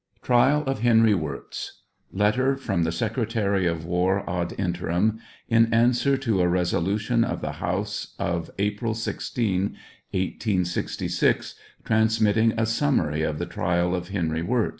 23. TRIAL OF HENRY WIRZ. LETTEE PROM THE SECRETARY OE ¥AR AD INTERIM. IN ANSWER TO A resolution of the House of April 16, 1866, transmitting a summary of the trial of Henry Wirz.